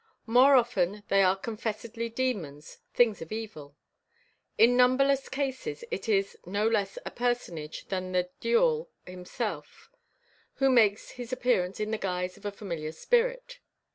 More often they are confessedly demons, things of evil. In numberless cases it is no less a personage than the diawl himself who makes his appearance in the guise of a familiar spirit.